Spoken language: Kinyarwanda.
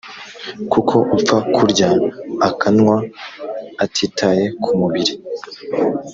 kuko upfa kurya akanywa atitaye ku mubiri